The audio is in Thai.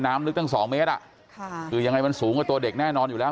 ลึกตั้งสองเมตรอ่ะค่ะคือยังไงมันสูงกว่าตัวเด็กแน่นอนอยู่แล้ว